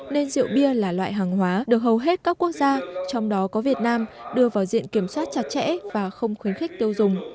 nên rượu bia là loại hàng hóa được hầu hết các quốc gia trong đó có việt nam đưa vào diện kiểm soát chặt chẽ và không khuyến khích tiêu dùng